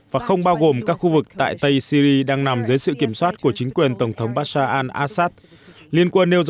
và không bao gồm các khu vực tại tây syri đang nằm dưới sự kiểm soát của mỹ